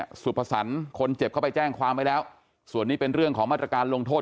สุภสรรค์คนเจ็บเข้าไปแจ้งความไว้แล้วส่วนนี้เป็นเรื่องของมาตรการลงโทษ